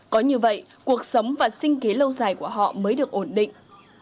có như vậy cuộc sống và sinh kế lâu dài của họ mới được ổn định